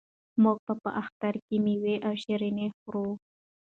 موږ په اختر کې مېوې او شیریني خورو.